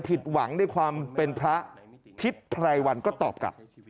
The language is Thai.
ผิดหวังในความเป็นพระทิศไพรวันก็ตอบกลับ